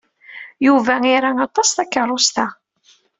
Yuba ira aṭas takeṛṛust-a.